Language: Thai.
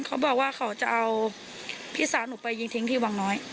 เขาบอกว่าเขาจะเอาพี่สาวหนูไปยิงทิ้งที่วังน้อย